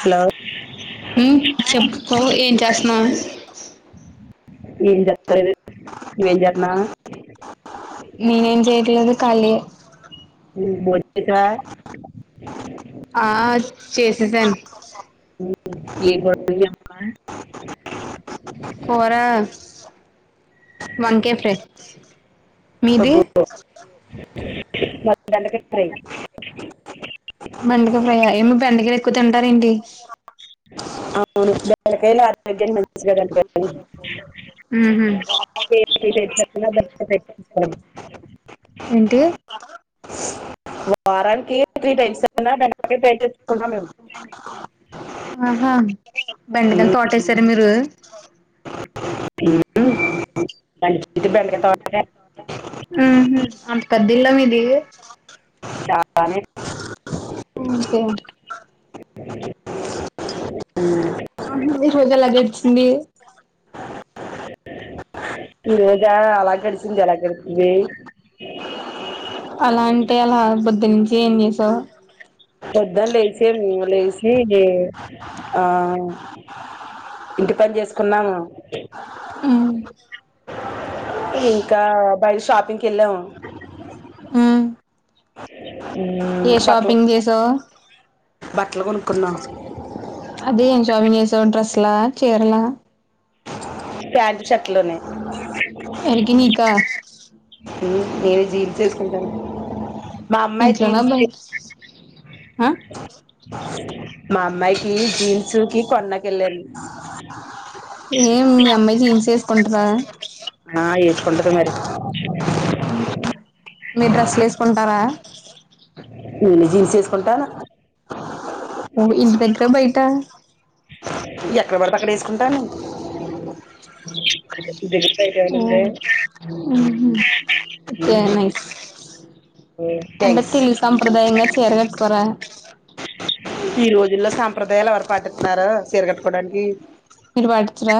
Hello హమ్ చెప్పుకో ఏం చేస్తన్నవ్ ఏంజ ఏం చేతన్నావ్ నిన్ ఏం చేయట్లేదు కాలి ఎ బో ఇక్కడ ఆ చేసేసాను కూర వంకాయ హమ్ ఫ్రై [inaudible] మీది అబ్బో మ బెండకై ఫ్రై యా ఏమి బెండకాయలు ఎక్కువ తింటార్ ఏంటి అవును బెండకైల్ మని మంచిగ కనిపతను ఊహూ తెస్తా ఏంటి వారానికి త్రీ టైమ్స్ అన్న బెండకై ఫ్రై చేసుకుంటాం మేం ఆహా బెండకాయలు తోటేసారా మీరు హమ్ బెండకాయ తోటలే ది చాలానే ఒకే ఉమ్, ఆహ మీరు లగేజ్ సింది లేేజ అలా గడిసింది ఎలా గడిసింది అలా అంటే ఎలా బద్దనుంచి ఏం చేశావ్ పొద్దన్ లేసే ఇంగ లేసి ఆ ఇంటి పని చేసుకున్నము హ్మ్ ఇంకా భై షాపింగ్ కెల్లాము హ్మ్ ఏ బట్టలు షాపింగ్ చేసావు బట్టలు కొనుక్కునామ్ అదే ఏం షాపింగ్ చేసావ్ డ్రస్లా చీర్లా ప్యాంట్ షట్లూనయ్ ఎవరికి నీకా [unintelligible] నేను జీన్స్ ఎస్కుంటానా మా అమ్మాయి ఇంట్లోనా జీన్స్ టీ బయట ఆ [unintelligible] మా అమ్మాయికి జీన్స్ కి కొన్నకెళ్ళాను ఏం మీయమ్ మ్మాయ్ జీన్స్ ఎస్కుంటదా ఆ ఏస్కుంటది మరి మీరు డ్రస్లు ఏస్కుంటారా నేను జీన్స్ వేసుకుంటాను ఓ ఇంటి దగ్గరా బయటా ఎక్కడ పడితే అక్కడ ఏసుకుంటాను ఉమ్ మ్మ్ హ్మ్ కే నైస్ అంటే థ్యాంక్స్ తెలుగు సంప్రదాయంగా చీర కట్టుకోరా. ఈ రోజుల్లో సాంప్రదాయాలు ఎవరు పాటిత్తున్నారు చీర గట్టుకోవడానికి మీరు పాటిచ్చరా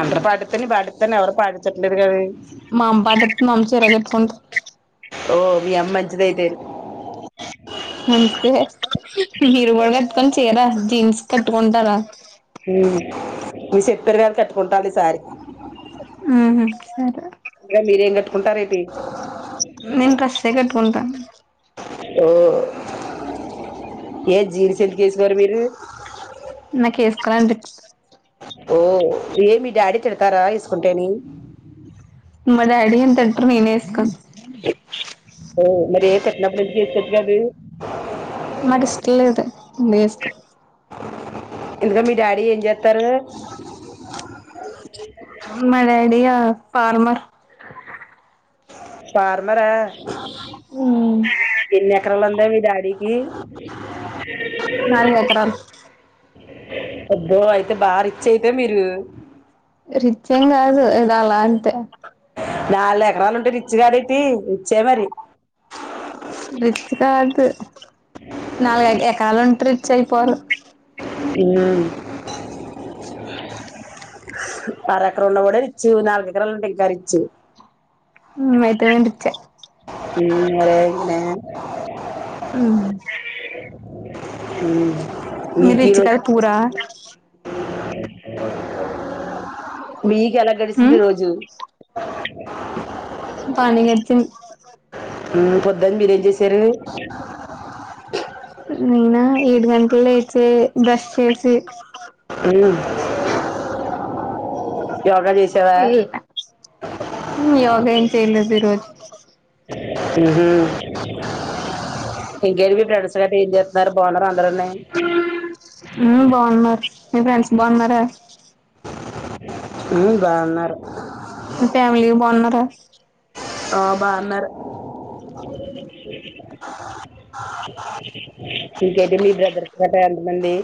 అందరు పాటిత్తేనే పాటిత్తాను ఎవరు పాటించట్లేదు కదే మా అమ్మ పాటికు మా అమ్మ చీరే కట్కుంట్ ఓ మీ అమ్మ మంచిదైతే మంచిదే మీరు కూడా కట్టుకొని చీర జీన్స్ కట్టుకుంటారా ఊ మీరు చెప్పారు గాటి కట్టుకుంటాను ఈసారి ఊహూ సరే ఉంటారేటి నేను డ్రస్సే కట్టుకుంటాను ఓ ఏ జీన్స్ ఎట్టుకేసుకోరు మీరు నాకేసుకోవాల [unintelligible] ఓ ఏ మీ డాడీ తిడతారా ఏసుకుంటేని మా డాడీ ఎంత ననే వేసుకోను ఓ మరే పెట్టనప్పడు ఎందుకు ఏసుకోవచ్చు కాదీ మాది స్టేట్ నేస్కో ఇంతకీ మీ డాడీ ఏం జేత్తారు మా డాడీ ఆ పార్మర్ పార్ రా ఎన్ని ఎకరాలుందే మీ డాడి గి నాలుగు ఎకరాలు అబ్బో అయితే బా రిచ్ అయితే మీరు రిచ్ ఏం కాదు ఎ దోలా అంతే నాలుగు ఎకరాలుంటే రిచ్ గాడేటి రిచ్చే మరి నాలుగై ఎకరాల ఉంట రిచ్ అయిపోర తిన్ అర ఎకరం ఉన్న వాడె రిచ్చు నాలుగు ఎకరలా ఉన్న వాడు ఇంకా రిచ్చు ఉమ్ అయితేమేం రిచ్చె ఉమ్ మరే [unintelligible] ఉమ్ మ్ మీకి రిచ్ రోజ్ కాదు అ పూరా మీక్ ఎలా గడిసింది రోజు పని కడితిం పొద్దున్ మీరెం చేసారు నా ఏడు గంటల్ లేచి బ్రష్ చేసి అను హి యోగ ఏం చేయలేదు ఈ రోజు ఉహు ఇంకేంటి మి ఫ్రెండ్స్ గట్రా ఏం చేస్తున్నారు బాగున్నారు అందరునే హుమ్ బాగున్నారు మీ ఫ్రెండ్స్ బాగున్నార హుమ్ బాగున్నారు ఫ్యామిలీ బాగున్నారా ఆ బాగున్నారు ఇంకేంటి మీ బ్రదర్స్ గట్రా ఎంతమంది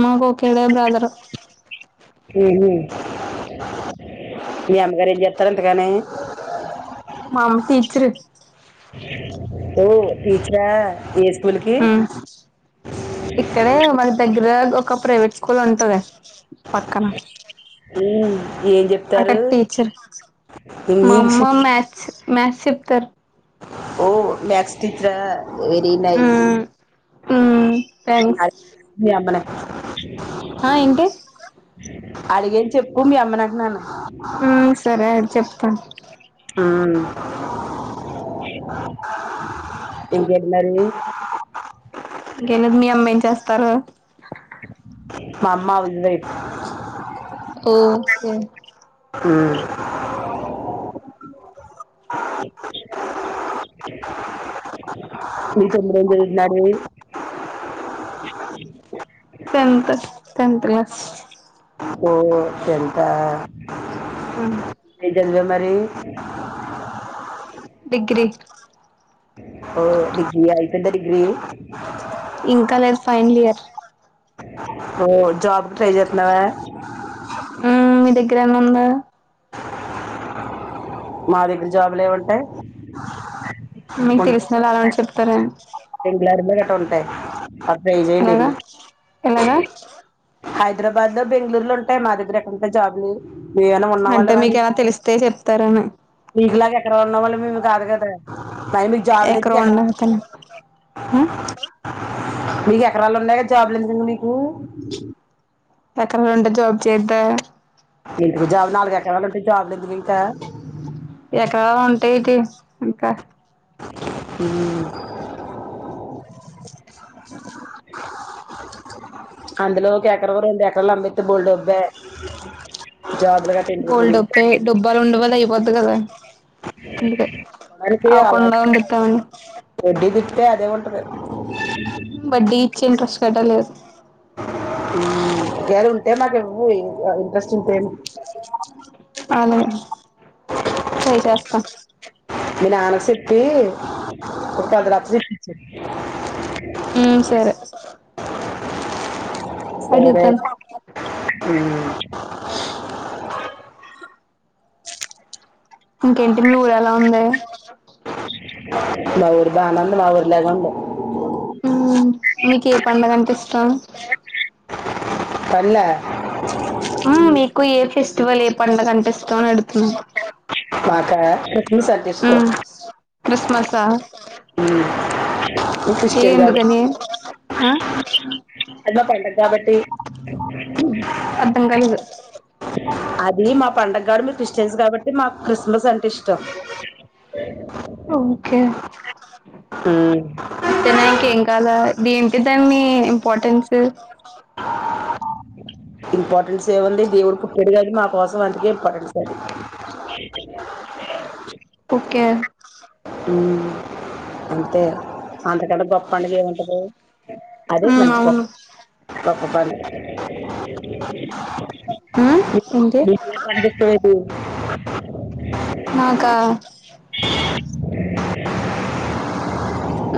మా ఒకడే బ్రదర్ హుహు మీ అమ్మగారు ఏం చేస్తారు ఎంతగానే మా అమ్ టీచర్ ఓ టీచరా ఏ స్కూ కుల్ కి ఇక్కడే మన దెగ్గర ఒక ప్రైవేట్ స్కూల్ ఉంటది పక్కన ఉమ్ అక్కడ టీచర్ మా ఇంగ్లీష్ అమ్మ మథ్స్ మ్యాథ్స్ చెప్ కర్ ఓ మక్స్ టీచర్ వెరి నైస్ మ్మ్ మ్మ్ అ మీ అమ్మ అ ఏంటి అడిగేని చెప్పు మీ అమ్మని అంటున్నాను మ్మ్ సరే చెప్తాను హ్మ్ ఇంకేటి మరి ఇంకేం లేదు మీ అమ్మ ఏం చేస్ తరు మా అమ్మ ఉంది ఓకే హ్మ్ [unintelligible] నాది టెన్త్ స్ టెన్త్ క్లాస్ ఓ టెన్తా ఆ [unintelligible] మరి డిగ్రీ ఓ డిగ్రీ ఆ అయిపోయిందా డిగ్రీ ఇంకా లేదు ఫైనల్ ఇయర్ ఓ జాబ్ కి ట్రై చేత్తున్నవా మ్మ్ మీ దగ్ ఇక్కడ ఎండుంద మా దగ్గర జాబు లేవంటే [unintelligible] మీకు తెలిసిన వాళ్ళు అలాంటి చెప్తారా నేను [unintelligible] [unintelligible] డై చెయ్యండి ఎలాగా ఎలాగా [unintelligible] హైదరాబాద్ లో బెంగళూరులో ఉంటాయి మా దగ్గర ఎక్కడంటయి జాబ్లు అంటే మీకు ఏమన్న తెలిస్తే చెప్తారని మీకు లాగా ఎక్కడ ఉన్నా వాళ్ళమేం కాదు కదా టైంలకి జాబ్ లు ఎతికి ఎక్కడ [unintelligible] మీకు ఎకరాలు ఉన్నాయి కదా జాబ్లెందుకు ఇంగ మీకు ఎకరాలు ఉంటే జాబ్ చెయ్యొద్ద ఏంటిది జాబ్ నాలుగు ఎకరాలు ఉంటే జాబులు ఎందుకు ఇంకా ఎక్క ఉంటా ఏంటి ఇంకా అహ అందులో ఒక ఎకర రెండు ఎకరాలు ఆమెస్తే బోల్డబ్బే బోల్ మీకు డబ్బే డబ్బు ర ఉండవదయి వద్దు కదా అందుకే ఆ కొండవడి ఇతామని వడ్డి తిప్పితే అదే ఉంటది. వడ్డీ ఇచ్చ ఇంట్రెస్ట్ పెట్టలేదు. ఊ గేలు ఉంటే మాకివ్వు ఇంట్రెస్ట్ ఉంటేను. అ లేదు ట్రై చేస్తాం. మీ నాన్న కి సెప్పి ఒ పది లచ్చలు ఇప్పిచే [unintelligible] ఉ సరే సరే అయితే అడుగుతాను [unintelligible] ఊ ఇంకేంటి ఊరు ఎలా ఉందే? మా ఊరు బానుంది మా ఊర్ లాగా ఉంది. ఊ మీకు ఏ పండగంటే ఇష్టం. పల్ల ఊ మీకు ఏపిస్త ఫెస్టివల్ ఏ పండగ అంటే ఇష్టంని అడుతున్నాం. మాకా కుక్కిస్ ఇష్టం మసా ఊ [unintelligible] ఏందగానీ ఆ [unintelligible] అది మా పండగ కాబట్టి [inaudible] అర్ధం కాలేదు. అది మా పండగ కాబట్టి, మీరు క్రిస్టియన్స్ కాబట్టి మా క్రిస్మస్ అంటే ఇష్టం. [unintelligible] ఓకే అంతేనా ఇంకేం ఏం కావాల దెంటి దామ్మి ఇంపార్టెన్స్ ఇంపార్టెన్స్ ఏ ఉంది. దేవుడు పుట్టాడు మా కోసం అందుకే ఇంపార్టెన్స్ అండి [unintelligible] ఓకే ఊ అంతే అంతకంటే గొప్ప అండగ ఏముంటది అదే ఉమ్ మంచి ప అవును త పతని ఉమ్ ఏంటి స్త నాకా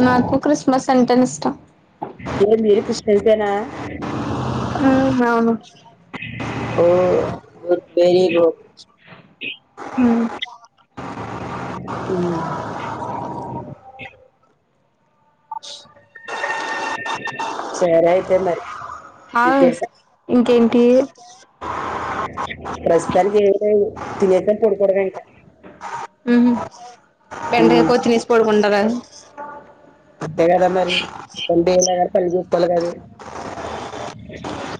నాకు క్రిస్మస్ అంటన్ ఇష్టం ఏం మీరు కష్యితేనా అ అవును ఓర హ అ సరే అయితే మరి ఆ ఇంకేం ఇంకేంటి అ ప్రస్తుతానికి తిలిసం కొడుకుడవంంట బంటగా ఉమ్, కోతినీసి పోడుకుంటార అ కద మరి కలిసేస్ కలవాలి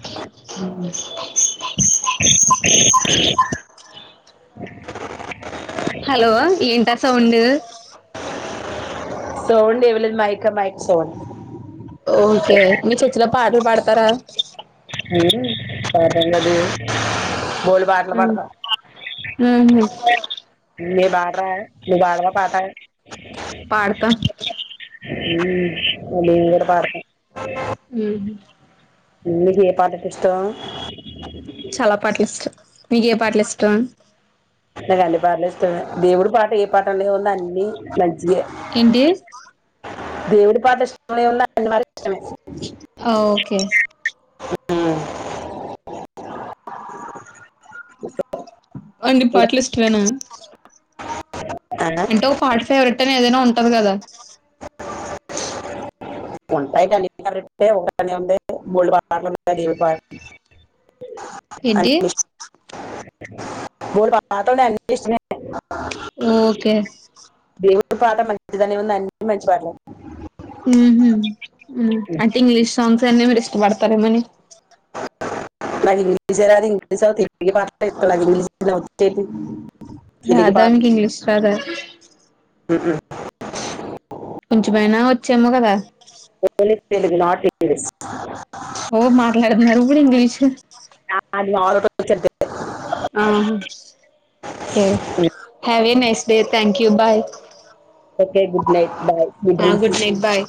అ [unintelligible] [unintelligible] హలో ఏంట సౌండ్ సౌండ్ ఏమీలేదు మయకా మైక్ సోన్ ఓకే మీ చెర్చిలో పాటలు పాడతారా పట గది గోలి పాటలు పడతా ఉ మ బాడ రా మీ బాడరా పాటా పాడత ఇ నేను కూడా పాడుతా ఉహు మీకు ఏ పాతట్ ఇష్టం చాలా పాటలు ఇష్టం నీక ఏ పాటలు ఇష్టం నాకు అన్ని పాటలు ఇష్టమే దేవుడి పాట ఏ పాటలో ఉంది అన్నిీ మంచియే ఏంటి దేవుడి పాటా ఇష్టన్న అన్నీ పాటలు ఇష్టమే ఆ ఓకే అ అడి పాటాల్ లిస్ట్ వేనా ఆ అంటే ఓ పాార్ట్ ఫేవరెట్ అని ఏదైనా ఉంటది కదా ఉంటాయి కానీ కరెే ఒక అని ఉంది బోల్ పాటలు ఉంటాయి ఏంటి అే [inaudible] బోలెడు పాటలు ఉన్నాయ్ అన్ని ఇష్టమే ఓకే దేవుడు పాఠ మంచిందాని ఏముంది అన్నీ మంచి పాటలే ఉ అంటే ఇంగ్లీష్ సాంగ్స్ అన్న మీరు ఇష్టపడతారేమని మకు ఇంగ్లీష రాదు ఇంగ్లీంష నే రాధా మీకి ఇంగ్లిష్ రాధా ఉహు కొంచమైనా వచ్చేమో కదా పో తెలుగు నాటి ఏ ఓ మాట్లాడన్నారురు కూడా ఇంగ్లిష్ అది ఆల్ వచ్చేది హవ నైస్ డేథం bye okay good night bye good dreams good night బయ